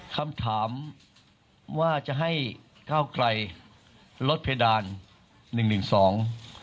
คำถามว่าจะให้ก้าวไกลลดเพดานหนึ่งหนึ่งสอง